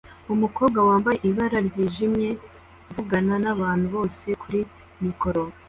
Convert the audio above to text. Umukobwa wambaye ibara ryijimye avugana nabantu bose kuri mikoro